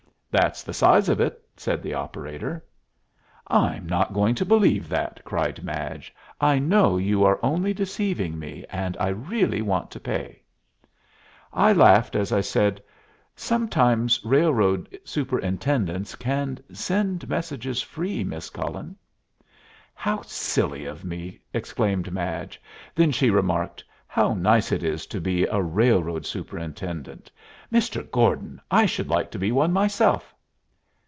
"That's the size of it," said the operator. "I'm not going to believe that!" cried Madge. "I know you are only deceiving me, and I really want to pay." I laughed as I said, "Sometimes railroad superintendents can send messages free, Miss Cullen." "How silly of me!" exclaimed Madge. Then she remarked, "How nice it is to be a railroad superintendent, Mr. Gordon! I should like to be one myself."